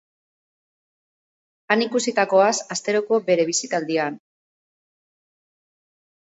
Han ikusitakoaz, asteroko bere bisitaldian.